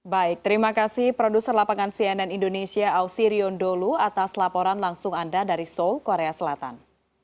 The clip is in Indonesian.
baik terima kasih produser lapangan cnn indonesia ausirion dholu atas laporan langsung anda dari seoul korea selatan